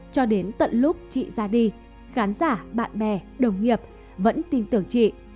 cho đến tận lúc chị ra đi khán giả bạn bè đồng nghiệp vẫn tin tưởng chị